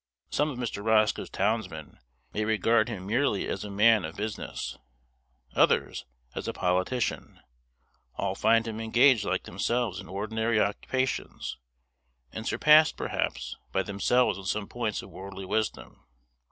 Some of Mr. Roscoe's townsmen may regard him merely as a man of business; others, as a politician; all find him engaged like themselves in ordinary occupations, and surpassed, perhaps, by themselves on some points of worldly wisdom.